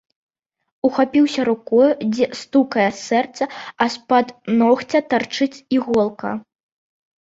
Ухапіўся рукою, дзе стукае сэрца, а з-пад ногця тарчыць іголка.